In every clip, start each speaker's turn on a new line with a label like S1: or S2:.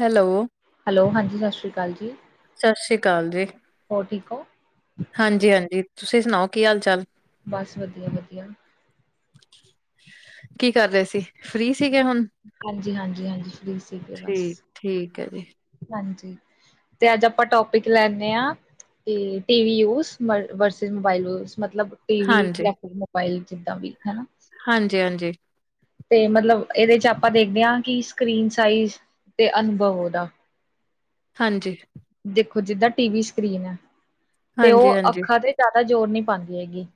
S1: Hello.
S2: Hello. ਹਾਂਜੀ ਸਸਰੀ ਕਾਲ ਜੀ।
S1: ਸਸਰੀ-ਕਾਲ ਜੀ।
S2: ਹੋਰ ਠੀਕ ਓ?
S1: ਹਾਂਜੀ-ਹਾਂਜੀ। ਤੁਸੀਂ ਸੁਣਾਓ ਕੀ ਹਾਲ-ਚਾਲ?
S2: ਬਸ ਵਧੀਆ-ਵਧੀਆ।
S1: ਕੀ ਕਰ ਰਹੇ ਸੀ, ਫਰੀ ਸੀਗੇ ਹੁਣ?
S2: ਹਾਂਜੀ-ਹਾਂਜੀ-ਹਾਂਜੀ। ਫਰੀ ਸੀਗੇ ਬਸ,
S1: ਠੀਕ, ਠੀਕ ਹੈ ਜੀ।
S2: ਹਾਂਜੀ। ਤੇ ਅੱਜ ਆਪਾਂ ਟੋਪਿਕ ਲੈਂਨੇ ਆ ਤੇ ਟੀ ਵੀ ਯੂਸ ਮ ਵਰਸਿਸ ਮੋਬਾਈਲ ਯੂਸ, ਮਤਲਬ ਟੀ ਵੀ
S1: ਹਾਂਜੀ,
S2: [unintelligible] ਮੋਬਾਇਲ ਜਿੱਦਾਂ ਵੀ ਹਨਾ।
S1: ਹਾਂਜੀ-ਹਾਂਜੀ।
S2: ਤੇ ਮਤਲਬ ਇਹਦੇ ਚ ਆਪਾਂ ਦੇਖਦੇ ਆ ਕਿ ਸਕਰੀਨ ਸਾਈਜ਼ ਤੇ ਅਨੁਭਵ ਉਹਦਾ
S1: ਹਾਂਜੀ।
S2: ਦੇਖੋ ਜਿੱਦਾਂ ਟੀ ਵੀ ਸਕਰੀਨ ਐ ਤੇ ਉਹ
S1: ਹਾਂਜੀ-ਹਾਂਜੀ।
S2: ਅੱਖਾਂ ਤੇ ਜ਼ਿਆਦਾ ਜ਼ੋਰ ਨਹੀਂ ਪਾਉਂਦੀ ਹੈਗੀ।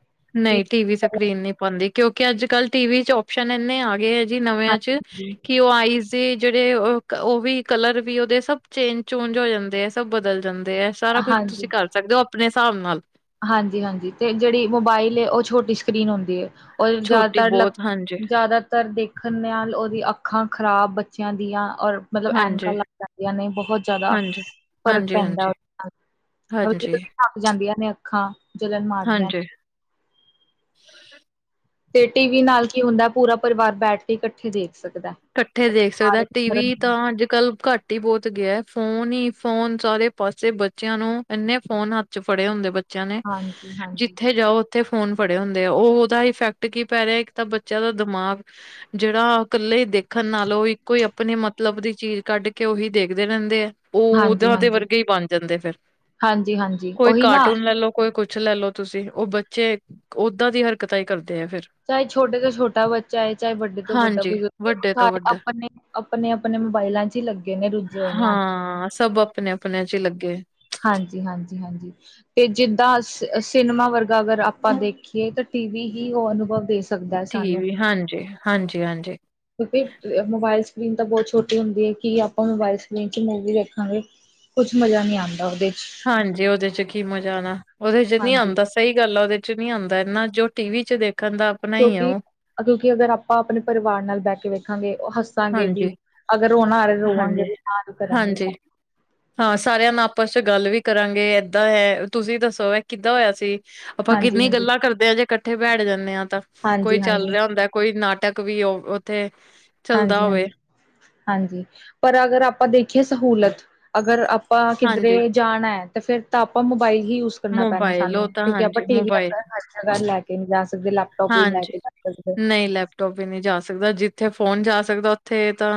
S2: ਕਿ
S1: ਨਹੀਂ ਟੀ ਵੀ ਸਕਰੀਨ ਨੀ ਪਾਉਦੀ ਕਿਉਂਕਿ ਅੱਜ-ਕਲ ਟੀ ਵੀ ਚ ਓਪਸ਼ਨ ਇੰਨੇ ਆ ਗਏ ਐ। ਕੀ ਨਵਿਆਂ ਚ
S2: ਹਾਂਜੀ ਹਾਂਜੀ
S1: ਕਿ ਉਹ ਆਈਜ ਤੇ ਜਿਹੜੇ ਓ, ਓਹ ਵੀ ਕਲਰ ਵੀ ਉਹਦੇ ਸਭ ਚੇਂਜ-ਚੂਂਜ ਹੋ ਜਾਂਦੇ ਐ, ਸਭ ਬਦਲ ਜਾਂਦੇ ਐ। ਸਾਰਾ ਕੁਛ ਤੁਸੀਂ ਕਰ ਸਕਦੇ ਓ ਆਪਣੇ ਹਿਸਾਬ ਨਾਲ।
S2: ਹਾਂਜੀ ਹਾਂਜੀ ਤੇ ਜਿਹੜੀ ਮੋਬਾਇਲ ਉਹ ਛੋਟੀ ਸਕਰੀਨ ਹੁੰਦੀ ਹੈ ਉਹ
S1: ਛੋਟੀ
S2: ਜ਼ਿਆਦਾਤਰ
S1: ਬਹੁਤ ਹਾਂਜੀ,
S2: ਜ਼ਿਆਦਾਤਰ ਦੇਖਣ ਨਾਲ ਉਹਦੀ ਅੱਖਾਂ ਖ਼ਰਾਬ ਬੱਚਿਆਂ ਦੀਆਂ ਔਰ ਮਤਲਬ ਐਨਕਾਂ
S1: ਹਾਂਜੀ,
S2: ਲੱਗ ਜਾਂਦੀਆਂ ਨੇ ਬਹੁਤ ਜ਼ਿਆਦਾ
S1: ਹਾਂਜੀ,
S2: ਫ਼ਰਕ
S1: ਹਾਂਜੀ,
S2: ਪੈਂਦਾ
S1: ਹਾਂਜੀ,
S2: ਉਹਦੇ ਨਾਲ
S1: ਹਾਂਜੀ
S2: ਥੱਕ ਜਾਂਦੀਆਂ ਨੇ ਅੱਖਾਂ ਜਲਣ ਮਾਰਦੀਆਂ
S1: ਹਾਂਜੀ।
S2: ਤੇ ਟੀ ਵੀ ਨਾਲ ਕੀ ਹੁੰਦਾ ਪੂਰਾ ਪਰਿਵਾਰ ਬੈਠ ਕੇ ਇਕੱਠੇ ਦੇਖ ਸਕਦਾ
S1: ਇਕੱਠੇ ਦੇਖ ਸਕਦਾ ਟੀ ਵੀ ਤਾਂ
S2: ਹਾਂਜੀ-ਹਾਂਜੀ,
S1: ਅੱਜ ਕੱਲ ਘੱਟ ਘੱਟ ਹੀ ਬਹੁਤ ਗਿਆ ਫੋਨ ਹੀ ਫੋਨ ਸਾਰੇ ਪਾਸੇ ਬੱਚਿਆਂ ਨੂੰ ਇੰਨੇ ਫੋਨ ਹੱਥ ਚੱ ਫੜੇ ਹੁੰਦੇ ਬੱਚਿਆਂ ਨੇ
S2: ਹਾਂਜੀ-ਹਾਂਜੀ,
S1: ਜਿੱਥੇ ਜਾਓ ਫੋਨ ਫੜੇ ਹੁੰਦੇ ਉਹ ਉਹਦਾ ਇਫੈਕਟ ਕੀ ਪੈ ਰਿਹਾ ਇੱਕ ਤਾਂ ਬੱਚਿਆਂ ਦਾ ਦਿਮਾਗ ਜਿਹੜਾ ਇਕੱਲੇ ਹੀ ਦੇਖ ਦੇਖਣ ਨਾਲੋਂ ਇੱਕੋ ਹੀ ਆਪਣੇ ਮਤਲਬ ਦੀ ਚੀਜ਼ ਕੱਢ ਕੇ ਉਹੀ ਦੇਖਦੇ ਰਹਿੰਦੇ ਹੈ ਉਹ ਊਦਾਂ ਦੇ
S2: ਹਾਂਜੀ-ਹਾਂਜੀ
S1: ਵਰਗੇ ਹੀ ਬਣ ਜਾਂਦੇ ਫਿਰ
S2: ਹਾਂਜੀ-ਹਾਂਜੀ
S1: ਕੋਈ
S2: ਉਹੀ ਨਾ
S1: ਕਾਰਟੂਨ ਲੈ ਲੋ ਕੋਈ ਕੁੱਛ ਲੈ ਲੋ ਤੁਸੀਂ ਉਹ ਬੱਚੇ ਉਦਾਂ ਦੀ ਹਰਕਤਾਂ ਹੀ ਕਰਦੇ ਆ ਫਿਰ
S2: ਚਾਹੇ ਛੋਟੇ ਤੋਂ ਛੋਟਾ ਬੱਚਾ ਹੈ ਚਾਹੇ ਵੱਡੇ ਤੋਂ ਵੱਡਾ
S1: ਹਾਂਜੀ
S2: ਬਜ਼ੁਰਗ
S1: ਵੱਡੇ
S2: ਹੈ
S1: ਤੋਂ ਵੱਡਾ
S2: ਆਪਣੇ ਆਪਣੇ ਆਪਣੇ ਮੋਬਾਇਲਾਂ ਚੱ ਹੀ ਲੱਗੇ ਨੇ ਰੁੱਝੇ ਹੋਏ ਨੇ
S1: ਹਾਂ ਸਭ ਆਪਣੇ ਆਪਣੇ ਚੱ ਹੀ ਲੱਗੇ
S2: ਹਾਂਜੀ ਹਾਂਜੀ ਹਾਂਜੀ ਤੇ ਜਿਦਾ ਸਿਨੇਮਾ ਵਰਗਾ ਅਗਰ ਆਪਾਂ ਦੇਖੀਏ ਤਾਂ ਟੀ ਵੀ ਹੀ ਉਹ ਅਨੁਭਵ ਦੇ ਸਕ
S1: ਟੀ ਵੀ ਹਾਂਜੀ ਹਾਂਜੀ ਹਾਂਜੀ
S2: ਕਿਉਂਕਿ ਮੋਬਾਇਲ ਸਕਰੀਨ ਤਾਂ ਬਹੁਤ ਛੋਟੀ ਹੁੰਦੀ ਹੈ ਕਿ ਆਪਾਂ ਮੋਬਾਇਲ ਸਕਰੀਨ ਚੱ ਮੂਵੀ ਦੇਖਾਂਗੇ ਕੁੱਛ ਮਜ਼ਾ ਨੀ ਆਉਂਦਾ ਉਹਦੇ
S1: ਹਾਂਜੀ ਉਹਦੇ ਚੱ ਕੀ ਮਜ਼ਾ ਆਉਣਾ ਉਹਦੇ ਚੱ ਨਹੀਂ
S2: ਹਾਂਜੀ
S1: ਆਉਂਦਾ ਸਹੀ ਗੱਲ ਆ ਉਹਦੇ ਚੱ ਨਹੀਂ ਆਉਂਦਾ ਇਨਾ ਜੋ ਟੀ ਵੀ ਚੱ ਦੇਖਣ ਦਾ ਆਪਣਾ ਹੀ ਆ
S2: ਕਿਉਂਕਿ
S1: ਉਹ।
S2: ਅਗਰ ਆਪਾਂ ਆਪਣੇ ਪਰਿਵਾਰ ਨਾਲ ਬਹਿ ਕੇ ਵੇਖਾਂਗੇ ਉਹ ਹਸ ਹਸਾਂਗੇ ਵੀ
S1: ਹਾਂਜੀ,
S2: ਅਗਰ ਉਹ ਨਾ ਰੋ ਰੋਵਾਂਗੇ
S1: ਹਾਂਜੀ,
S2: ਵੀ ਤਾਂ ਜੋ ਕਰਾਂਗੇ ਸ
S1: ਹਾਂਜੀ। ਹਾਂ ਸਾਰਿਆਂ ਨੂੰ ਆਪਸ ਚੱ ਗੱਲ ਵੀ ਕਰਾਂਗੇ ਏਦਾਂ ਹੈ ਤੁਸੀਂ ਦੱਸੋ ਇਹ ਕਿੱਦਾਂ ਹੋਇਆ ਸੀ ਆਪਾਂ
S2: ਹਾਂਜੀ
S1: ਕਿੰਨੀ
S2: ਹਾਂਜੀ
S1: ਗੱਲਾਂ ਕਰਦੇ ਹਾਂ ਜੇ ਇਕੱਠੇ ਬੈਠ ਜਾਂਦੇ ਹਾਂ ਤਾਂ ਕੋਈ
S2: ਹਾਂਜੀ
S1: ਚੱਲ
S2: ਹਾਂਜੀ
S1: ਰਿਹਾ ਹੁੰਦਾ ਕੋਈ ਨਾਟਕ ਵੀ ਉਹ ਉੱਥੇ ਚੱਲਦਾ
S2: ਹਾਂਜੀ
S1: ਹੋਵੇ
S2: ਹਾਂਜੀ ਹਾਂਜੀ ਪਰ ਅਗਰ ਆਪਾਂ ਦੇਖੀਏ ਸਹੂਲਤ ਅਗਰ ਆਪਾਂ
S1: ਹਾਂਜੀ।
S2: ਕਿੱਧਰੇ ਜਾਣਾ ਹੈ ਤੇ ਫਿਰ ਤਾਂ ਆਪਾਂ ਮੋਬਾਈਲ ਹੀ ਯੂਜ਼ ਕਰਨਾ ਪੈਣਾ
S1: ਮੋਬਾਇਲ
S2: ਸਾਨੂੰ
S1: ਉਹ ਤਾਂ
S2: ਕਿਉਂਕਿ ਆਪਾਂ
S1: ਹਾਂਜੀ
S2: ਟੀ ਵੀ
S1: ਮੋਬਾਇਲ
S2: ਆਪਣਾ ਹਰ ਜਗ੍ਹਾ ਲੈ ਕੇ ਨਹੀਂ ਜਾ ਸਕਦੇ ਲੈਪ ਲੈਪਟੋਪ ਵੀ ਨਹੀਂ ਲੈ
S1: ਹਾਂਜੀ।
S2: ਕੇ ਜਾ ਸਕਦੇ
S1: ਨਹੀਂ ਲੈਪਟੋਪ ਵੀ ਨਹੀਂ ਜਾ ਸਕਦਾ ਜਿੱਥੇ ਫੋਨ ਜਾ ਸਕਦਾ ਉੱਥੇ ਤਾਂ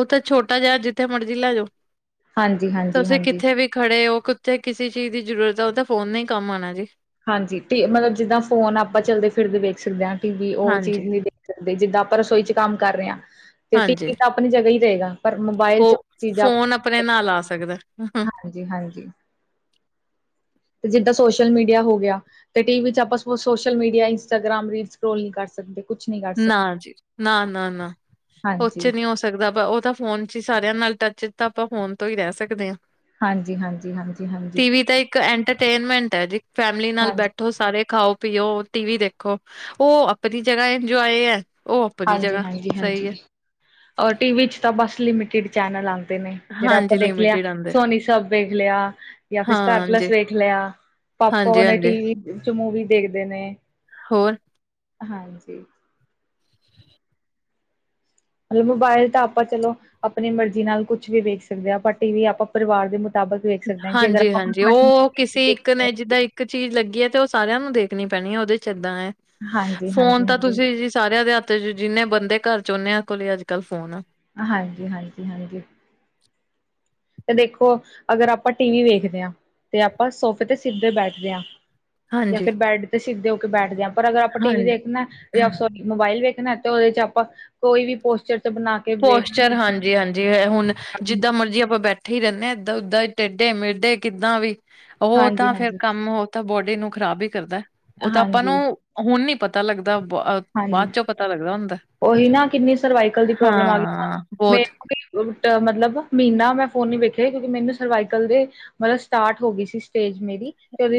S1: ਉੱਥੇ ਛੋਟਾ ਜਿਹਾ ਜਿੱਥੇ ਮਰਜ਼ੀ ਲੈ ਜਾਓ
S2: ਹਾਂਜੀ ਹਾਂਜੀ
S1: ਤੁਸੀਂ
S2: ਹਾਂਜੀ
S1: ਕਿੱਥੇ ਵੀ ਖੜੇ ਹੋ ਕਿੱਥੇ ਕਿਸੇ ਚੀਜ਼ ਦੀ ਜ਼ਰੂਰਤ ਹੈ ਉਹ ਤਾਂ ਫੋਨ ਨੇ ਹੀ ਕੰਮ ਆਉਣਾ ਜੀ
S2: ਹਾਂਜੀ ਮਤਲਬ ਜਿੱਦਾਂ ਫੋਨ ਆਪਾਂ ਚੱਲਦੇ ਫਿਰਦੇ ਵੇਖ ਸਕਦੇ ਹਾਂ ਟੀ ਵੀ ਉਹ
S1: ਹਾਂਜੀ
S2: ਚੀਜ਼ ਨਹੀਂ ਜਿੱਦਾਂ ਆਪਾਂ ਰਸੋਈ ਚ ਕੰਮ ਕਰ ਰਹੇ ਹਾਂ ਤੇ ਟੀ
S1: ਹਾਂਜੀ
S2: ਵੀ ਤਾਂ ਆਪਣੀ ਜਗ੍ਹਾ ਹੀ ਰਹੇਗਾ ਪਰ ਮੋਬਾਇਲ ਚ
S1: ਉਹ
S2: ਚੀਜ਼ਾਂ
S1: ਫੋਨ ਆਪਣੇ ਨਾਲ ਆ ਸਕਦਾ
S2: ਜੀ ਹਾਂਜੀ ਤੇ ਜਿੱਦਾਂ ਸੋਸ਼ਲ ਮੀਡੀਆ ਹੋ ਗਿਆ ਤੇ ਟੀ ਵੀ ਚੱ ਆਪਾਂ social media Instagram reel scroll ਨਹੀਂ ਕਰ ਸਕਦੇ ਕੁਛ ਨਹੀਂ ਕਰ
S1: ਨਾ
S2: ਸਕਦੇ
S1: ਜੀ ਨਾ ਨਾ ਨਾ ਉਹਦੇ
S2: ਹਾਂਜੀ
S1: ਚੱ ਨਹੀਂ ਹੋ ਸਕਦਾ ਉਹ ਤਾਂ ਫੋਨ ਤੁਸੀਂ ਸਾਰਿਆਂ ਨਾਲ ਟੱਚ ਤਾਂ ਆਪਾਂ ਫੋਨ ਤੋਂ ਹੀ ਰਹਿ ਸਕਦੇ ਹਾਂ
S2: ਹਾਂਜੀ-ਹਾਂਜੀ-ਹਾਂਜੀ-ਹਾਂਜੀ।
S1: ਟੀ ਵੀ ਤਾਂ ਇੱਕ ਐਂਟਰਟੇਨਮੈਂਟ ਹੈ ਜੀ ਫੈਮਿਲੀ ਨਾਲ
S2: ਹਾਂਜੀ
S1: ਬੈਠੋ ਸਾਰੇ ਖਾਓ ਪੀਓ ਟੀ ਵੀ ਦੇਖੋ ਉਹ ਆਪਣੀ ਜਗ੍ਹਾ ਇੰਜੋਏ ਹੈ ਉਹ ਆਪਣੀ ਜਗ੍ਹਾ ਸਹੀ ਹੈ
S2: ਹਾਂਜੀ-ਹਾਂਜੀ-ਹਾਂਜੀ ਅਹ ਟੀਵੀ ਚ ਤਾਂ ਬਸ ਲਿਮਿਟਿਡ ਚੈਨਲ ਆਂਦੇ ਨੇ। ਜਿਹੜਾ ਆਪਾਂ
S1: ਹਾਂਜੀ,
S2: ਦੇਖ ਲਿਆ
S1: ਲਿਮਿਟਿਡ ਆਂਦੇ,
S2: ਸੋਨੀ ਸਾਬ ਵੇਖ ਲਿਆ ਜਾਂ ਫਿਰ
S1: ਹਾਂਜੀ,
S2: ਸਟਾਰਪਲੱਸ ਵੇਖ ਲਿਆ। ਪਾਪਾ ਉਹ ਨੇ
S1: ਹਾਂਜੀ-ਹਾਂਜੀ
S2: ਟੀਵੀ ਚ ਮੂਵੀ ਦੇਖਦੇ ਨੇ।
S1: ਹੋਰ
S2: ਹਾਂਜੀ। ਮਤਲਬ ਮੋਬਾਇਲ ਤਾਂ ਆਪਾਂ ਚਲੋ ਆਪਣੀ ਮਰਜ਼ੀ ਨਾਲ ਕੁੱਛ ਵੀ ਵੇਖ ਸਕਦੇ ਹਾਂ, ਪਰ ਟੀ ਵੀ ਆਪਾਂ ਪਰਿਵਾਰ ਦੇ ਮੁਤਾਬਕ ਵੇਖ ਸਕਦੇ ਹਾਂ ਜੇ ਅਗਰ ਆਪਾਂ
S1: ਹਾਂਜੀ-ਹਾਂਜੀ
S2: ਆਪਣੀ
S1: ਉਹ ਕਿਸੇ ਇੱਕ ਨੇ ਜਿੱਦਾਂ ਇੱਕ ਚੀਜ਼ ਲੱਗੀ ਹੈ ਤੇ ਉਹ ਸਾਰਿਆਂ ਨੂੰ ਦੇਖਣੀ ਪੈਣੀ ਹੈ, ਉਹਦੇ ਚ ਏਦਾਂ ਏ
S2: ਹਾਂਜੀ,
S1: ਫੋਨ
S2: ਹਾਂਜੀ,
S1: ਤਾਂ
S2: ਹਾਂਜੀ,
S1: ਤੁਸੀਂ ਸਾਰਿਆਂ ਦੇ ਹੱਥ ਚ ਜਿੰਨੇ ਬੰਦੇ ਘਰ ਚ ੳਨੇਆ ਕੋਲ ਅੱਜ ਕੱਲ ਫੋਨ ਆ।
S2: ਹਾਂਜੀ-ਹਾਂਜੀ-ਹਾਂਜੀ। ਤੇ ਦੇਖੋ ਅਗਰ ਆਪਾਂ ਟੀ ਵੀ ਵੇਖਦੇ ਹਾਂ ਤੇ ਆਪਾਂ ਸੋਫੇ ਤੇ ਸਿਰਧੇ ਬੈਠਦੇ ਹਾਂ। ਜਾਂ
S1: ਹਾਂਜੀ,
S2: ਫੇਰ ਬੈੱਡ ਤੇ ਸਿੱਧੇ ਹੋ ਕੇ ਬੈਠਦੇ ਹਾਂ, ਪਰ ਅਗਰ ਆਪਾਂ ਟੀ ਵੀ
S1: ਹਾਂਜੀ
S2: ਦੇਖ ਨਾ ਅਕਸਰ ਮੋਬਾਇਲ ਵੇਖਣਾ ਤੇ ਉਹਦੇ ਚ ਆਪਾਂ ਕੋਈ ਵੀ ਪੋਸਟਰ ਚ ਬਣਾ ਕੇ ਵੇਖ
S1: ਪੋਸਚਰ
S2: ਹਾਂਜੀ,
S1: ਹਾਂਜੀ-ਹਾਂਜੀ ਹੁਣ ਜਿੱਦਾਂ ਮਰਜ਼ੀ ਆਪਾਂ ਬੈਠ ਉੱਠੇ ਹੀ ਰਹਿੰਦੇ ਏਦਾਂ, ਉਦਾਂ ਟੇਡੇ, ਮੇਡੇ ਕਿੱਦਾਂ ਵੀ ਉਹ
S2: ਹਾਂਜੀ,
S1: ਤਾਂ ਫੇਰ
S2: ਹਾਂਜੀ,
S1: ਕੰਮ ਹੋ ਤਾਂ ਬੋਡੀ ਨੂੰ ਖ਼ਰਾਬ ਹੀ ਕਰਦਾ ਏ ਉਹ ਤਾਂ ਆਪਾਂ ਨੂੰ ਹੁਣ ਨੀ ਪਤਾ ਲੱਗਦਾ ਬਾਅਦ
S2: ਹਾਂਜੀ
S1: ਚੋਂ ਪਤਾ ਲੱਗਦਾ ਹੁੰਦਾਂ ਏ।
S2: ਉਹੀ ਨਾ ਕਿੰਨੀ ਸਰਵਾਈਕਲ ਦੀ ਪ੍ਰੋਬਲਮ ਆ ਗਈ।
S1: ਬਹੁਤ
S2: ਮਤਲਬ ਮੀਹਨਾ ਮੈਂ ਫੋਨ ਨੀ ਵੇਖਿਆ ਕਿਉਂਕਿ ਮੈਨੂੰ ਸਰਵਾਈਕਲ ਦੇ ਮਤਲਬ ਸਟਾਰਟ ਹੋ ਗੀ ਸੀ ਫੇਜ ਮੈ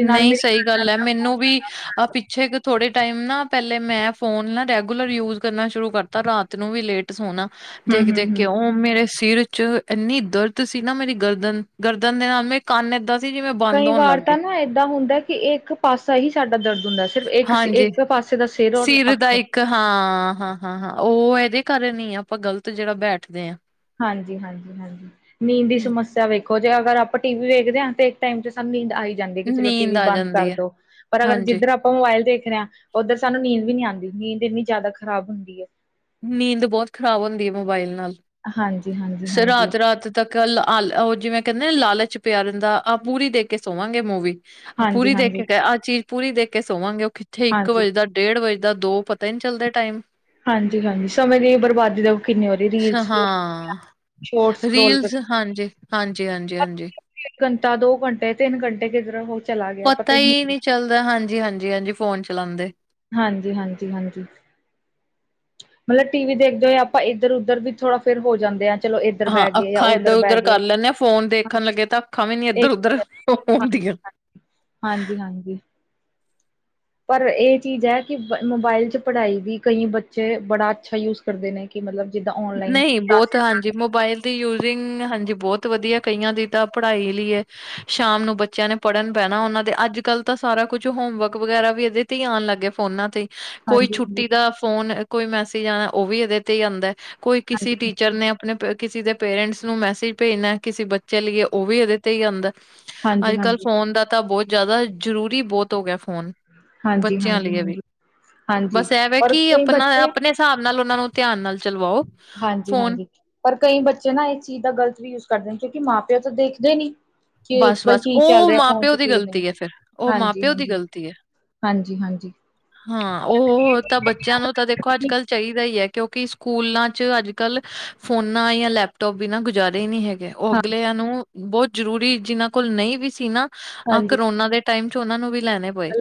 S1: ਨਈ ਸਈ ਗੱਲ ਏ ਮੈਨੂੰ ਵੀ
S2: ਜ਼ਿਆਦਾ
S1: ਪਿੱਛੇ ਥੋੜੇ ਟਾਈਮ ਨਾ ਪਹਲੇ ਮੈਂ ਫੋਨ ਨਾ ਰੈਗੂਲਰ ਯੂਜ ਕਰਨਾ ਸ਼ੁਰੂ ਕਰਤਾ ਰਾਤ ਨੂੰ ਵੀ ਲੇਟ ਸੋਨਾ ਦੇਖ-ਦੇਖ ਕੇ
S2: ਹੂੰ-ਹੂੰ-ਹੂੰ।
S1: ਓ ਮੇਰੇ ਸਿਰ ਚ ਏੰਨੀ ਦਰਦ ਸੀ ਨਾ ਮੇਰੀ ਗਰਦਨ-ਗਰਦਨ ਦੇ ਨਾਲ ਮੇਰੇ ਕੰਨ ਏਦਾਂ ਸੀ ਜਿਵੇਂ ਬੰਦ
S2: ਕਈ
S1: ਹੋਣ ਲੱਗ
S2: ਵਾਰ
S1: ਗਏ
S2: ਤਾਂ ਨਾ ਏਦਾਂ ਹੁੰਦਾ ਕਿ ਇੱਕ ਪਾਸਾ ਈ ਸਾਡਾ ਦਰਦ ਹੁੰਦਾ ਸਿਰਫ ਇੱਕ
S1: ਹਾਂਜੀ
S2: ਇੱਕ ਪਾਸੇ ਦਾ ਸਿਰ ਔਰ
S1: ਦਾ
S2: ਅੱਖ
S1: ਇੱਕ ਹਾਂ, ਹਾਂ, ਹਾਂ, ਹਾਂ ਉ ਇਹਦੇ ਕਾਰਨ ਈ ਆ ਆਪਾਂ ਗ਼ਲਤ ਜਿਹੜਾ ਬੈਠਦੇ ਆ।
S2: ਹਾਂਜੀ-ਹਾਂਜੀ-ਹਾਂਜੀ ਨੀਂਦ ਦੀ ਸਮੱਸਿਆ ਵੇਖੋ ਜੇ ਅਗਰ ਆਪਾਂ ਟੀ ਵੀ ਵੇਖਦੇ ਆ ਤੇ ਟਾਈਮ ਚ ਸਾਨੂੰ ਨੀਂਦ ਆਈ ਜਾਂਦੀ ਏ ਕਿ ਚਲੋ ਟੀ
S1: ਨੀਂਦ
S2: ਵੀ
S1: ਆ
S2: ਬੰਦ
S1: ਜਾਂਦੀ
S2: ਕਰ
S1: ਹੈ
S2: ਦੋ ਪਰ ਅਗਰ
S1: ਹਾਂਜੀ
S2: ਜਿੱਧਰ ਆਪ ਓ ਮੋਬਾਇਲ ਦੇਖਰੇ ਆ ਉੱਧਰ ਸਾਨੂੰ ਨੀਂਦ ਵੀ ਨੀ ਆਂਦੀ, ਨੀਂਦ ਇੰਨੀ ਜ਼ਾੱਦਾ ਖਰਾਬ ਹੁੰਦੀ ਏ।
S1: ਨੀਂਦ ਬੋਤ ਖ਼ਰਾਬ ਹੁੰਦੀ ਏ ਮੋਬਾਇਲ ਨਾਲ, ਫੇਰ
S2: ਹਾਂਜੀ-ਹਾਂਜੀ-ਹਾਂਜੀ।
S1: ਰਾਤ-ਰਾਤ ਉ ਜਿਵੇਂ ਕਹਿੰਦੇ ਨਾ ਲਾਲਚ ਪਿਆ ਰਹੰਦਾ ਆ ਪੂਰੀ ਦੇ ਕੇ ਸੋਵਾਂਗੇ ਮੂਵੀ ਆ ਪੂਰੀ ਦੇਖ
S2: ਹਾਂਜੀ-ਹਾਂਜੀ,
S1: ਕੇ ਆ ਚੀਜ਼ ਪੂਰੀ ਦੇਖ ਕੇ ਸੋਵਾਂਗੇ। ਉ ਕਿੱਥੇ ਇੱਕ
S2: ਹਾਂਜੀ,
S1: ਵਜੇ ਦਾ ਡੇੜ ਵਜੇ ਦਾ ਦੋ ਪਤਾ ਈ ਨੀਂ ਚੱਲਦਾ ਟਾਈਮ
S2: ਹਾਂਜੀ-ਹਾਂਜੀ ਸਮੇਂ ਦੀ ਬਰਬਾਦੀ ਦਾ ਕਿੰਨਾ
S1: ਹਾਂ
S2: ਸਕਰੋਲ ਕਰ
S1: ਰੀਲਸ ਹਾਂਜੀ-ਹਾਂਜੀ-ਹਾਂਜੀ-ਹਾਂਜੀ।
S2: ਇੱਕ ਕੱਟਾ ਦੋ ਕੰਟੇ ਤਿੰਨ ਕੰਟੇ ਕਿਧਰੋ
S1: ਪਤਾ ਈ ਨੀਂ ਚੱਲਦਾ ਹਾਂਜੀ- ਹਾਂਜੀ-ਹਾਂਜੀ ਫੋਨ ਚਲਾਂਦੇ।
S2: ਹਾਂਜੀ- ਹਾਂਜੀ-ਹਾਂਜੀ। ਮਤਲਬ ਟੀ ਵੀ ਦੇਖਦੇ ਹੋਏ ਆਪਾਂ ਇੱਧਰ ਉਧਰ ਵੀ ਥੋੜਾ ਫੇਰ ਹੋ ਜਾਂਦੇ ਆ। ਚਲੋ ਇੱਧਰ
S1: ਹਾਂ
S2: ਬਹਿ ਗਏ ਜਾਂ
S1: ਅੱਖਾਂ ਇੱਧਰ
S2: ਉੱਧਰ ਬਹਿ
S1: ਉਧਰ
S2: ਗਏ।
S1: ਕਰ ਲੈਂਨੇ ਆਂ, ਫੋਨ
S2: ਹਾਂ,
S1: ਦੇਖਨ ਲੱਗੇ ਤਾਂ ਅੱਖਾਂ ਵੀ ਨੀ
S2: ਇਹ
S1: ਇੱਧਰ ਉੱਧਰ
S2: ਹਾਂਜੀ,
S1: ਹੁੰਦੀਆਂ।
S2: ਹਾਂਜੀ, ਹਾਂਜੀ। ਪਰ ਏ ਚੀਜ਼ ਐ ਕਿ ਮੋਬਾਈਲ ਚ ਪੜ੍ਹਾਈ ਵੀ ਕਈ ਬੱਚੇ ਬੜਾ ਅੱਛਾ ਯੂਜ ਕਰਦੇ ਨੇ ਕਿ ਮਤਲਬ ਜਿੱਦਾਂ ਔਨਲਾਈਨ
S1: ਨਹੀਂ ਬਹੁਤ
S2: ਕਲਾਸੀਸ
S1: ਹਾਂਜੀ ਮੋਬਾਇਲ ਦੀ ਯੂਜਿੰਗ ਹਾਂਜੀ ਬਹੁਤ ਵਧੀਆ ਕਈਆਂ ਦੀ ਤਾਂ ਪੜ੍ਹਾਈ ਲਈ ਐ ਸ਼ਾਮ ਨੂੰ ਬੱਚਿਆਂ ਨੇ ਪੜ੍ਹਨ ਬਹਿਨਾ ਉਹਨਾਂ ਦੇ ਅੱਜ ਕੱਲ੍ਹ ਤਾਂ ਸਾਰਾ ਕੁਛ ਹੋਮਵਰਕ ਵਗੈਰਾ ਵੀ ਏਦੇ ਤੇ ਹੀ ਆਨ ਲੱਗਿਆ ਫੋਨਾਂ ਤੇ ਕੋਈ
S2: ਹਾਂਜੀ, ਹਾਂਜੀ,
S1: ਛੁੱਟੀ ਦਾ ਫੋਨ ਕੋਈ ਮੈਸੇਜ ਆਨਾ ਓ ਵੀ ਇਹਦੇ ਤੇ ਆਂਦਾ ਕੋਈ ਕਿਸੇ
S2: ਹਾਂਜੀ,
S1: ਟੀ ਟੀਚਰ ਨੇ ਆਪਨੇ ਕਿਸੇ ਦੇ ਪੇਰੈਂਟਸ ਨੂੰ ਮੈਸੇਜ ਭੇਜਨਾ ਕਿਸੇ ਬੱਚੇ ਲਈ ਓ ਵੀ ਏਦੇ ਤੇ ਹੀ ਆਂਦਾ। ਅੱਜ
S2: ਹਾਂਜੀ,
S1: ਕੱਲ੍ਹ
S2: ਹਾਂਜੀ,
S1: ਫੋਨ ਦਾ ਤਾਂ ਬਹੁਤ ਜ਼ਾਦਾ ਜ਼ਰੂਰੀ ਬੋਤ ਹੋ ਗਿਆ ਫੋਨ
S2: ਹਾਂਜੀ,
S1: ਬੱਚਿਆਂ
S2: ਹਾਂਜੀ,
S1: ਲਈ ਵੀ,
S2: ਹਾਂਜੀ। ਹਾਂਜੀ
S1: ਬਸ ਐਵੇਂ
S2: ਔਰ
S1: ਕਿ
S2: ਕਈ
S1: ਆਪਨਾ
S2: ਬੱਚੇ
S1: ਆਪਨੇ ਸਾਬ ਨਾਲ ਉਨਾਂ ਨੂੰ ਧਿਆਨ ਨਾਲ ਚਲਵਾਓ।
S2: ਹਾਂਜੀ,
S1: ਫੋਨ
S2: ਹਾਂਜੀ। ਪਰ ਕਈ ਬੱਚੇ ਨਾ ਇਸ ਚੀਜ਼ ਦਾ ਗ਼ਲਤ ਵੀ ਯੂਜ ਕਰਦੇ ਕਿਉਂਕਿ ਮਾਂ ਪਿਓ ਤਾਂ ਦੇਖਦੇ ਨੀ। ਕਿ ਬਈ
S1: ਬਸ-ਬਸ
S2: ਕੀ ਚੱਲ
S1: ਉਹ
S2: ਰਿਆ ਫੋਨ ਚ
S1: ਮਾਂ-ਪਿਓ ਦੀ
S2: ਕੀ ਨਹੀ
S1: ਗ਼ਲਤੀ ਹੈ ਫਿਰ ਉਹ
S2: ਹਾਂਜੀ,
S1: ਮਾਂ-ਪਿਓ ਦੀ
S2: ਹਾਂਜੀ।
S1: ਗ਼ਲਤੀ ਹੈ।
S2: ਹਾਂਜੀ-ਹਾਂਜੀ।
S1: ਹਾਂ ਓ ਉਹ ਤਾਂ ਬੱਚਿਆਂ ਨੂੰ ਤਾਂ ਦੇ ਦੇਖੋ ਅੱਜ ਕੱਲ ਚਾਈਦਾ ਹੀ ਏ ਕਿਉਂਕਿ ਸਕੂਲਾਂ ਚ ਅੱਜ ਕੱਲ ਫੋਨਾ ਯਾ ਲੈਪਟੋਪ ਬਿਨਾਂ ਗੁਜ਼ਾਰੇ ਨੀਂ ਹੈਗੇ ਉਹ
S2: ਹਾਂ
S1: ਅਗਲਿਆਂ ਨੂੰ ਬੋਤ ਜਰੂਰੀ ਜਿਨਾਂ ਕੋਲ ਨਈ ਵੀ ਸੀ ਨਾ ਅਹ
S2: ਹਾਂਜੀ
S1: ਕਰੋਨਾ ਦੇ ਟਾਈਮ ਚ ਓਨਾ ਨੂੰ ਵੀ ਲੈਨੇ ਪਏ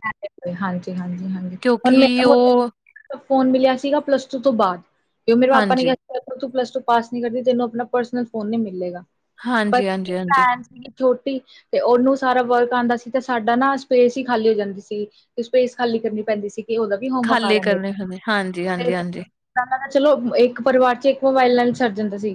S2: ਹਾਂਜੀ, ਹਾਂਜੀ, ਹਾਂਜੀ ਹੁਣ
S1: ਕਿਉਂਕਿ
S2: ਮ
S1: ਉਹ
S2: ਫੋਨ ਮਿਲਿਆ ਸੀਗਾ ਪਲੱਸ ਟੂ ਤੋਂ ਬਾਦ ਕਿ ਮੇਰੇ ਪਾਪਾ ਨੇ ਕਿਹਾ
S1: ਹਾਂਜੀ,
S2: ਸ ਤੂੰ ਪਲੱਸ ਟੂ ਪਾਸ ਨੀ ਕਰਦੀ ਤੈਨੂੰ ਆਪਨਾ ਪਰਸਨਲ ਫੋਨ ਨੀ ਮਿਲੇਗਾ
S1: ਹਾਂਜੀ, ਹਾਂਜੀ, ਹਾਂਜੀ
S2: [unintelligible] ਛੋਟੀ ਤੇ ਉਹਨੂੰ ਸਾਰਾ ਵਰਕ ਆਂਦਾ ਸੀ ਤੇ ਸਾਡਾ ਨਾ ਸਪੇਸ ਖਾਲੀ ਹੋ ਜਾਂਦੀ ਸੀ ਤੇ ਸਪੇਸ ਖਾਲੀ ਕਰਨੀ ਪੈਂਦੀ ਸੀ ਕਿ ਉਦਾ ਵੀ ਹੋਮਵਰਕ ਆ
S1: ਖਾਲੀ
S2: ਰਿਹਾ
S1: ਕਰਨੇ
S2: ਮੇਰਾ ਵੀ
S1: ਪੈਂਦੇ ਹਾਂਜੀ,
S2: [unintelligible]
S1: ਹਾਂਜੀ, ਹਾਂਜੀ,
S2: ਪਹਿਲਾਂ ਤਾਂ ਚਲੋ ਇੱਕ ਪਰਿਵਾਰ ਚ ਇੱਕ ਮੋਬਾਇਲ ਨਾਲ ਹੀ ਸਰ ਜਾਂਦਾ ਸੀ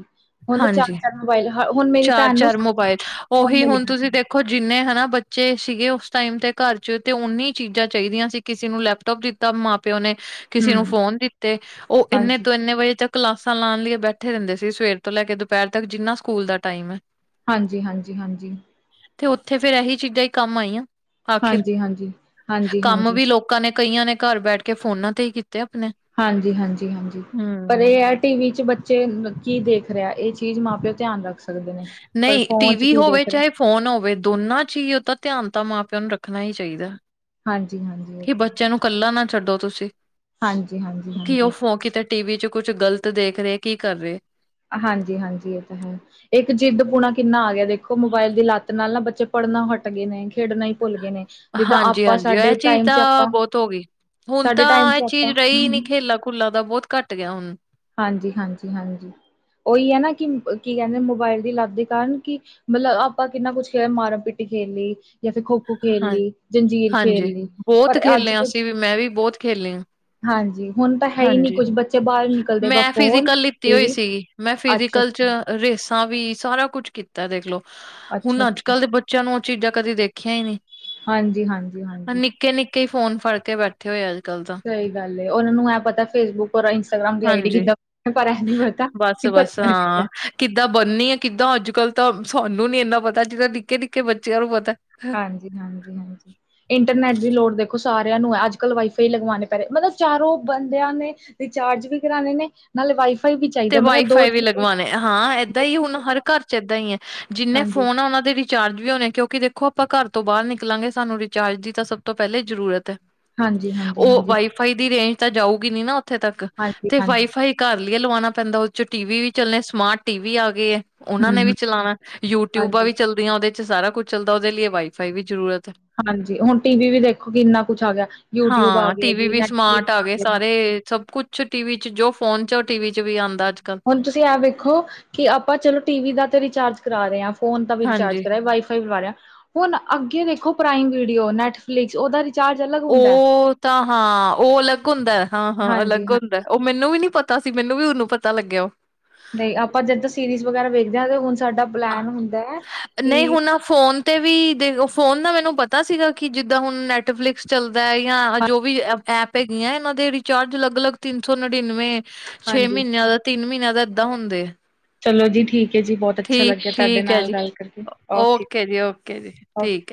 S2: ਹੁਨ ਤਾਂ
S1: ਹਾਂਜੀ।
S2: ਚਾਰ-ਚਾਰ ਮੋਬਾਇਲ ਹ ਹੁਣ ਮੇਰੀ ਭੈਣ ਨੂੰ
S1: ਚਾਰ-ਚਾਰ
S2: ਸੱਤ
S1: ਮੋਬਾਇਲ
S2: ਫੋਨ
S1: ਉਹੀ
S2: ਮਿਲ
S1: ਹੁਣ
S2: ਗਿਆ ਸੀ
S1: ਤੁਸੀਂ ਦੇ ਖੋ ਜਿੰਨੇ ਹਨਾ ਬੱਚੇ ਸੀਗੇ ਉਸ ਟਾਈਮ ਤੇ ਘਰ ਚ ਤੇ ਉਨੀ ਚੀਜ਼ਾਂ ਚਾਹੀਦੀਆਂ ਸੀ। ਕਿਸੇ ਨੂੰ ਲੈਪਟੋਪ ਦਿੱਤਾ ਮਾਂ ਪਿਓ ਨੇ, ਕਿਸੇ ਨੂੰ
S2: ਹੂੰ
S1: ਫੋਨ ਦਿੱਤੇ, ਉਹ ਇੰਨੇ
S2: ਹਾਂਜੀ।
S1: ਤੋਂ ਇੰਨੇ ਵਜੇ ਤੱਕ ਕਲਾਸਾਂ ਲਾਣ ਲਈ ਬੈਠੇ ਰਹਿੰਦੇ ਸੀ, ਸਵੇਰ ਤੋਂ ਲੈ ਕੇ ਦੁਪਹਿਰ ਤੱਕ ਜਿੰਨਾ ਸਕੂਲ ਦਾ ਟਾਈਮ ਐ
S2: ਹਾਂਜੀ, ਹਾਂਜੀ, ਹਾਂਜੀ
S1: ਤੇ ਉੱਥੇ ਫੇਰ ਐਹੀ ਚੀਜ਼ਾਂ ਹੀ ਕੰਮ ਆਈਆਂ, ਆਖਿਰ
S2: ਹਾਂਜੀ-ਹਾਂਜੀ। ਹਾਂਜੀ-ਹਾਂਜੀ, ਹਾਂਜੀ
S1: ਕੰਮ
S2: ਹਾਂਜੀ।
S1: ਵੀ ਲੋ ਲੋਕਾਂ ਨੇ ਕਈਆਂ ਨੇ ਘਰ ਬੈਠ ਕੇ ਫੋਨਾਂ ਤੇ ਹੀ ਕੀਤੇ ਆਪਣੇ।
S2: ਹਾਂਜੀ, ਹਾਂਜੀ, ਹਾਂਜੀ ਪਰ
S1: ਹੂੰ
S2: ਇਹ ਐ ਟੀ ਵੀ ਚ ਬੱਚੇ ਕੀ ਦੇਖ ਰਿਹਾ ਇਹ ਚੀਜ਼ ਮਾਂ ਪਿਓ ਧਿਆਨ ਰੱਖ ਸਕ ਸਕਦੇ ਨੇ, ਪਰ
S1: ਨਹੀਂ ਟੀ
S2: ਫੋਨ ਚ
S1: ਵੀ
S2: ਕੀ
S1: ਹੋਵੇ
S2: ਦੇਖ ਰਿਹਾ
S1: ਚਾਹੇ ਫੋਨ ਹੋਵੇ ਦੋਨਾਂ ਚ ਹੀ ਉਹ ਤਾਂ ਧਿਆਨ ਤਾਂ ਮਾਂ ਪਿਓ ਨੂੰ ਰੱਖਣਾ ਹੀ ਚਾਹੀਦਾ।
S2: ਹਾਂਜੀ, ਹਾਂਜੀ।
S1: ਕਿ ਬੱਚਿਆਂ ਨੂੰ ਕੱਲਾ ਨਾ ਛੱਡੋ ਤੁਸੀਂ,
S2: ਹਾਂਜੀ-ਹਾਂਜੀ, ਹਾਂਜੀ।
S1: ਕੀ ਉਹ
S2: ਹਾਂਜੀ।
S1: ਫੋ ਕਿਤੇ ਟੀ ਵੀ ਚ ਕੁਛ ਗ਼ਲਤ ਦੇਖ ਰਹੇ ਕੀ ਕਰ ਰਹੇ?
S2: ਹਾਂਜੀ, ਹਾਂਜੀ ਇਹ ਤਾਂ ਹੈ। ਇੱਕ ਜਿੱਦਪੁੁਣਾ ਕਿੰਨਾ ਆ ਗਿਆ ਦੇਖੋ ਮੋਬਾਇਲ ਦੀ ਲੱਤ ਨਾਲ ਨਾ ਬੱਚੇ ਪੜ੍ਹਨਾ ਹੱਟ ਗਏ ਨੇ ਖੇਡਣਾ ਹੀ ਭੁੱਲ ਗਏ ਨੇ। ਜਿੱਦਾਂ
S1: ਹਾਂਜੀ,
S2: ਆਪਾਂ
S1: ਹਾਂਜੀ
S2: ਸਾਡੇ
S1: ਐਹ ਚੀਜ਼
S2: ਟਾਈਮ ਚ
S1: ਤਾਂ
S2: ਆਪਾਂ
S1: ਬਹੁਤ ਹੋ ਗਈ। ਹੁਣ
S2: ਸਾਡੇ ਟਾਈਮ
S1: ਤਾਂ
S2: ਚ
S1: ਇਹ ਚੀਜ਼
S2: ਆਪਾਂ
S1: ਰਹੀ ਨਈ
S2: ਹੂੰ,
S1: ਖੇਲਾਂ ਖੂਲਾਂ ਦਾ ਬਹੁਤ ਘੱਟ ਗਿਆ ਹੁਣ।
S2: ਹਾਂਜੀ, ਹਾਂਜੀ, ਹਾਂਜੀ। ਉਹੀ ਹੈ ਨਾ ਕਿ ਕੀ ਕਹਿੰਦੇ ਮੋਬਾਇਲ ਦੀ ਲੱਤ ਦੇ ਕਾਰਨ ਕਿ, ਮਤਲਬ ਆਪਾਂ ਕਿੰਨਾ ਕੁਛ ਖੇਲ ਮਾਰਨ ਪਿੱਟੀ ਖੇਡ ਲਈ ਜਾਂ ਫੇਰ ਖੋੋ ਖੋ ਖੇਲ
S1: ਹਾਂ
S2: ਲਈ, ਜੰਜੀਰ
S1: ਹਾਂਜੀ
S2: ਖੇਲ ਲਈ,
S1: ਬਹੁਤ
S2: ਪਰ ਅੱਜ
S1: ਖੇਲੇ ਆ ਅਸੀਂ
S2: ਕੁਛ
S1: ਵੀ ਮੈਂ ਵੀ ਬਹੁਤ ਖੇਲੀ ਆ
S2: ਹਾਂਜੀ ਹੁਣ ਤਾਂ ਹੈ ਹੀ ਨਹੀਂ
S1: ਹਾਂਜੀ
S2: ਕੁਛ, ਬੱਚੇ ਬਾਹਰ ਨਿਕਲਦੇ ਬਸ
S1: ਮੈਂ
S2: ਫੋਨ,
S1: ਫਿਜ਼ੀਕਲ ਲਿੱਤੀ ਹੋਈ
S2: ਟੀਵੀ।
S1: ਸੀਗੀ ਮੈਂ ਫਿਜ਼ੀਕਲ 'ਚ ਰੇਸਾਂ ਵੀ, ਸਾਰਾ ਕੁਛ ਕੀਤਾ ਦੇਖਲੋ, ਹੁਣ ਅੱਜ-
S2: ਅੱਛਾ-ਅੱਛਾ,
S1: ਕੱਲ ਦੇ ਬੱ ਬੱਚਿਆ ਨੂੰ ਉਹ ਚੀਜ਼ਾਂ ਕਦੇ ਦੇਖੀਆਂ ਹੀ ਨਹੀਂ।
S2: ਹਾਂਜੀ, ਹਾਂਜੀ।
S1: ਆਹ ਨਿੱਕੇ, ਨਿੱਕੇ ਹੀ ਫੋਨ ਫੜ ਕੇ ਬੈਠੇ ਹੋਏ ਆ ਅੱਜ- ਕੱਲ ਤਾਂ।
S2: ਸਹੀ ਗੱਲ ਹੈ, ਉਹਨਾ ਨੂੰ ਐ ਪਤਾ ਫੇਸਬੁੱਕ ਔਰ ਇੰਸਟਾਗ੍ਰਾਮ ਦੀ ਆਈ ਡੀ
S1: ਹਾਂਜੀ
S2: ਕਿੱਦਾਂ! ਪਰ ਐ ਨਹੀਂ ਪਤਾ ਕਿ
S1: ਬਸ-ਬਸ
S2: ਭਰਨਾ ਕਿੱਦਾ
S1: ਹਾਂ ਕਿੱਦਾਂ ਬਣਨੀ ਆ, ਕਿੱਦਾਂ ਅੱਜ- ਕੱਲ ਤਾਂ ਸਾਨੂੰ ਨੀ ਐਨਾ ਪਤਾ ਜਿਹੜਾ ਨਿੱਕੇ- ਨਿੱਕੇ ਬੱਚਿਆਂ ਨੂੰ ਪਤਾ।
S2: ਹਾਂਜੀ, ਹਾਂਜੀ, ਹਾਂਜੀ ਇੰਟਰਨੈਟ ਦੀ ਲੋੜ ਦੇਖੋ ਸਾਰਿਆਂ ਨੂੰ ਹੈ, ਅੱਜ- ਕੱਲ ਵਾਈਫਾਈ ਲਗਵਾਣੇ ਪੈ ਰਹੇ ਮਤਲਬ ਚਾਰੋਂ ਬੰਦਿਆਂ ਨੇ, ਰਿਚਾਰਜ ਵੀ ਕਰਾਨੇ ਨੇ, ਨਾਲੇ ਵਾਈਫਾਈ ਵੀ ਚੈ
S1: ਤੇ ਵਾਈਫਾਈ ਵੀ ਲਗਵਾਉਣੇ, ਹਾਂ ਐਦਾਂ ਹੀ ਹੁਣ ਹਰ ਘਰ 'ਚ ਐਦਾਂ ਹੀ ਹੈ, ਜਿੰਨੇ
S2: ਹਾਂਜੀ,
S1: ਫੋਨ ਆ ਉਹਨਾਂ ਦੇ ਵਿੱਚ, ਰਿਚਾਰਜ ਵੀ ਹੋਣੇ ਕਿਉਂਕਿ ਦੇਖੋ ਆਪਾਂ ਘਰ ਤੋਂ ਬਾਹਰ ਨਿਕਲਾਂਗੇ ਸਾਨੂੰ ਰਿਚਾਰਜ ਦੀ ਤਾਂ ਸਭ ਤੋਂ ਪਹਿਲੇ ਜ਼ਰੂਰਤ ਹੈ।
S2: ਹਾਂਜੀ, ਹਾਂਜੀ,
S1: ਉਹ
S2: ਹਾਂਜੀ,
S1: ਵਾਈਫਾਈ ਦੀ ਰੇਂਜ ਤਾਂ ਜਾਊਗੀ ਨੀ ਨਾ ਉੱਥੇ ਤੱਕ,
S2: ਹਾਂਜੀ,
S1: ਤੇ
S2: ਹਾਂਜੀ।
S1: ਵਾਈਫਾਈ, ਘਰ ਲਈਏ ਲਵਾਉਣਾ ਪੈਂਦਾ, ਉਹ 'ਚ ਟੀ ਵੀ ਚੱਲਣੇ, ਸਮਾਰਟ ਟੀ ਵੀ ਆ ਗਏ ਹੈ ਉਹਨਾ ਨੇ ਵੀ
S2: ਹੂੰ-ਹੂੰ,
S1: ਚਲਾਉਣਾ, ਯੂਟਿਊਬਾਂ
S2: ਹਾਂਜੀ,
S1: ਵੀ ਚੱਲਦੀਆਂ ਉਹਦੇ 'ਚ, ਸਾਰਾ ਕੁੱਝ ਚੱਲਦਾ ਉਹਦੇ ਲਈ ਵਾਈਫਾਈ ਵੀ ਜ਼ਰੂਰਤ ਹੈ।
S2: ਹਾਂਜੀ ਹੁਣ ਟੀ ਵੀ ਵੀ ਦੇਖੋ ਕਿ ਕਿੰਨਾ ਕੁਛ ਆ ਗਿਆ ਯੂਟਿਊਬ ਆ ਗਿਆ ਜੀ ਨੈਟਫਲਿਕਸ ਆ ਗਿਆ
S1: ਤੇ ਸਭ ਕੁਛ ਛ ਟੀ ਵੀ 'ਚ, ਜੋ ਫੋਨ 'ਚ ਉਹ ਟੀ ਵੀ 'ਚ ਵੀ ਆਉਂਦਾ ਅੱਜ -ਕੱਲ।
S2: ਹੁਣ ਤੁਸੀਂ ਐਹ ਵੇਖੋ ਕਿ ਆਪਾਂ ਚਲੋ ਟੀ ਵੀ ਦਾ ਤੇ ਰਿਚਾਰਜ ਕਰਾ ਰਹੇ ਆਂ। ਫੋਨ ਦਾ ਵੀ ਰਿਚਾਰਜ
S1: ਹਾਂਜੀ
S2: ਕਰਾਏ, ਵਾਈਫਾਈ ਵੀ ਲਵਾ ਲਿਆ, 'ਹੁਣ ਅੱਗੇ ਦੇਖੋ ਪ੍ਰਾਈਮ ਵੀਡੀਓ ਨੈਟਫਲਿਕਸ ਉਹਦਾ, ਰਿਚਾਰਜ ਅਲੱਗ
S1: ਓ
S2: ਹੁੰਦਾ ਹੈ।
S1: ਤਾਂ ਹਾਂ, ਉਹ ਅਲੱਗ ਹੁੰਦਾ, ਹਾਂ ਹਾਂ ਅਲੱਗ ਹੁੰ ਦਾ, ਉਹ ਮੈਨੂੰ ਵੀ ਨੀ ਪਤਾ ਸੀ, ਮੈਨੂੰ ਵੀ ਉਹਨੂੰ ਪਤਾ ਲੱਗਿਆ ਓ
S2: ਦੇ ਆਪਾਂ ਜਦ ਸੀਰੀਜ਼ ਵਗੈਰਾ ਵੇਖਦੇ ਹਾਂ ਤੇ ਹੁਣ ਸਾਡਾ
S1: ਆਹ,
S2: ਪਲੈਨ ਹੁੰਦਾ ਹੈ
S1: ਨਹੀਂ
S2: ਕਿ,
S1: ਹੁਣ ਆ ਫੋਨ ਤੇ ਵੀ ਦੇਖ ਫੋਨ ਦਾ ਮੈਨੂੰ ਪਤਾ ਸੀਗਾ ਕਿ ਜਿੱਦਾਂ ਹੁਣ ਨੈਟਫਲਿਕਸ ਚੱਲਦਾ ਹੈ ਜਾਂ ਜੋ ਵੀ, ਐ ਐਪ ਹੈਗੀਆਂ, ਇਹਨਾਂ ਦੇ ਰਿਚਾਰਜ ਅਲਗ- ਅਲੱਗ ਤਿੰਨ ਸੌ ਨੜਿਨਵੇਂ। ਛੇ
S2: ਹਾਂਜੀ
S1: ਮਹੀਨਿਆਂ ਦਾ, ਤਿੰਨ ਮਹੀਨਿਆਂ ਦਾ, ਐਦਾਂ ਹੁੰਦੇ।
S2: ਚਲੋ ਜੀ, ਠੀਕ ਹੈ ਜੀ। ਬਹੁਤ ਅੱਛਾ
S1: ਠੀਕ
S2: ਲੱਗਿਆ, ਤੁਹਾਡੇ
S1: ਠੀਕ ਹੈ
S2: ਨਾਲ
S1: ਜੀ
S2: ਗੱਲ ਕਰਕੇ। ਓਕੇ-
S1: ਜੀ ਓਕੇ ਜੀ
S2: ਓਕੇ।
S1: ਠੀਕ